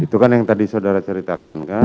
itu kan yang tadi saudara ceritakan kan